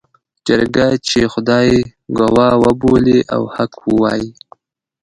جرګه چې خدای ګواه وبولي او حق ووايي.